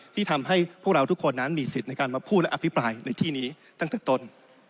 ที่ทำให้พวกเราทุกคนนั้นมีสิทธิ์ในการมาพูดและอภิปรายในที่นี้ตั้งแต่ต้น